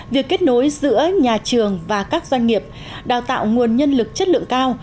việc kết nối giữa nhà trường và các doanh nghiệp đào tạo nguồn nhân lực chất lượng cao